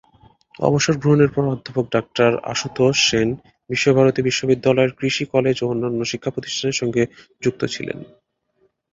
অবসর গ্রহণের পর অধ্যাপক ডাক্তার আশুতোষ সেন বিশ্বভারতী বিশ্ববিদ্যালয়ের কৃষি কলেজ ও অন্যান্য শিক্ষা প্রতিষ্ঠানের সঙ্গে যুক্ত ছিলেন।